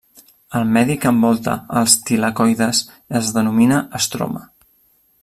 El medi que envolta als tilacoides es denomina estroma.